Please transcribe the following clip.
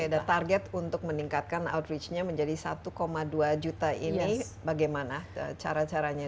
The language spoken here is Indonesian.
oke dan target untuk meningkatkan outreach nya menjadi satu dua juta ini bagaimana cara caranya